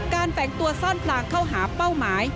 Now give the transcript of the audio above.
แฝงตัวซ่อนพลางเข้าหาเป้าหมาย